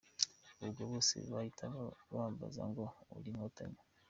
Ubwo bose bahise bambaza ngo uri inkotanyi?